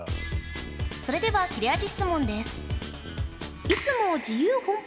それでは切れ味質問です